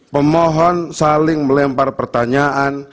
pemohon saling melempar pertanyaan